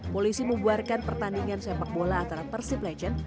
polisi membuarkan pertandingan sepak bola antara persib legend